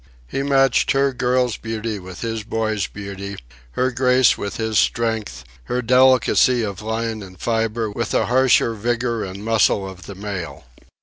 He matched her girl's beauty with his boy's beauty, her grace with his strength, her delicacy of line and fibre with the harsher vigor and muscle of the male.